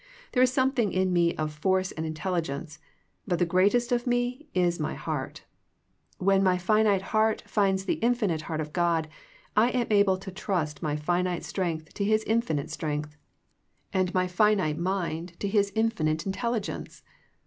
There is something in me of force and intelligence, but the greatest of me is my heart. "When my finite heart finds the infinite heart of God I am able to trust my finite strength to His infinite strength, and my finite 36 THE PEACTICE OF PEAYER mind to His infinite intelligence.